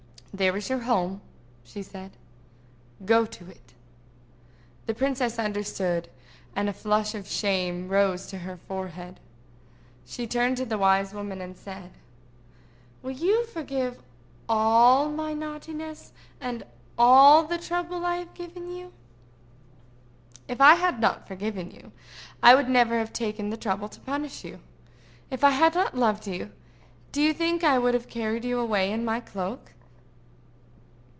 "There is your home," she said. "Go to it." The princess understood, and a flush of shame rose to her forehead. She turned to the wise woman and said: "Will you forgive all my naughtiness, and all the trouble I have given you?" "If I had not forgiven you, I would never have taken the trouble to punish you. If I had not loved you, do you think I would have carried you away in my cloak?"